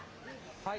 はい。